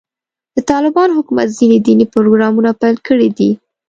د طالبانو حکومت ځینې دیني پروګرامونه پیل کړي دي.